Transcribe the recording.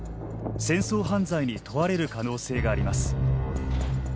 戦争犯罪に問われる可能性があります。